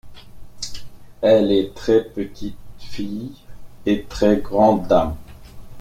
Elle est très petite fille et très grande dame.